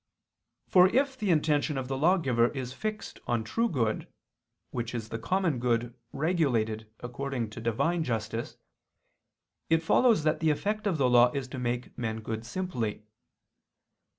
For if the intention of the lawgiver is fixed on true good, which is the common good regulated according to Divine justice, it follows that the effect of the law is to make men good simply.